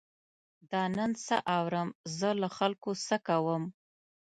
دا نن څه اورم، زه له خلکو څه کوم.